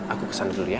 aku kesana dulu ya